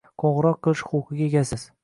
«Qo‘ng‘iroq qilish huquqiga egasiz!»